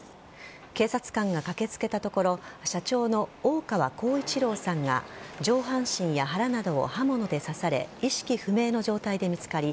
警察官が駆けつけたところ社長の大川幸一郎さんが上半身や腹などを刃物で刺され意識不明の状態で見つかり